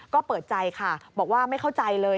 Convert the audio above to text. ก็เปิดใจค่ะบอกว่าไม่เข้าใจเลย